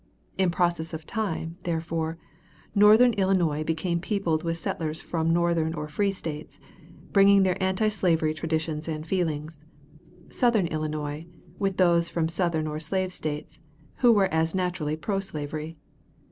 In process of time, therefore, northern Illinois became peopled with settlers from Northern or free States, bringing their antislavery traditions and feelings; southern Illinois, with those from Southern or slave States, who were as naturally pro slavery.